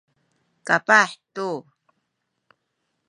kapah tu